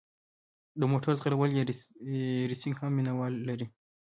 د موټرو ځغلول یا ریسینګ هم مینه وال لري.